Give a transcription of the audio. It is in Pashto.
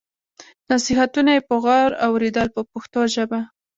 نصیحتونه یې په غور اورېدل په پښتو ژبه.